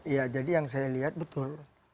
ya jadi yang saya lihat betul